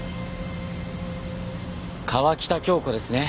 川喜多京子ですね。